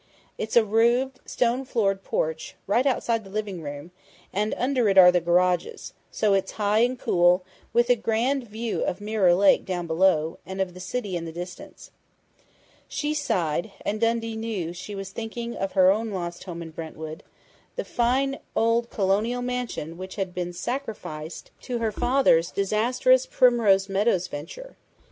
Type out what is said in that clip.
It's a roofed, stone floored porch, right outside the living room, and under it are the garages, so it's high and cool, with a grand view of Mirror Lake down below, and of the city in the distance." She sighed, and Dundee knew that she was thinking of her own lost home in Brentwood the fine old Colonial mansion which had been sacrificed to her father's disastrous Primrose Meadows venture.